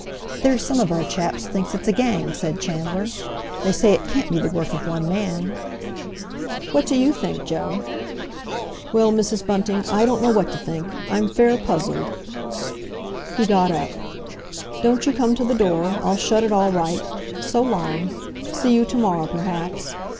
"There's some of our chaps thinks it's a gang," said Chandler. "They say it can't be the work of one man." "What do you think, Joe?" "Well, Mrs. Bunting, I don't know what to think. I'm fair puzzled." He got up. "Don't you come to the door. I'll shut it all right. So long! See you to morrow, perhaps."